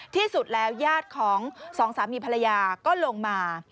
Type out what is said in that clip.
ที่สุดแล้วญาติของสองสามีภรรยาก็ลงมา